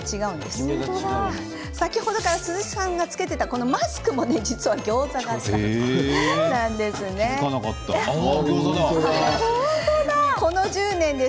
先ほどから鈴木さんが着けていたマスクも実はギョーザ形だったんです。